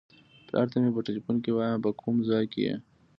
پلار ته مې په ټیلیفون کې وایم په کوم ځای کې یې.